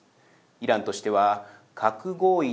イランとしては核合意